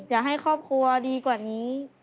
อยากให้ครอบครัวดีกว่านี้